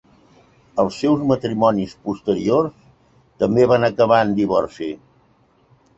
Els seus matrimonis posteriors també van acabar en divorci.